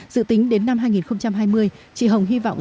dự tính đến năm hai nghìn hai mươi chị hồng hy vọng